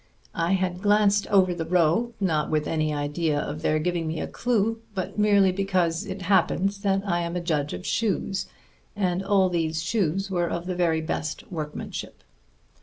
I had glanced over the row, not with any idea of their giving me a clue, but merely because it happens that I am a judge of shoes, and all these shoes were of the very best workmanship.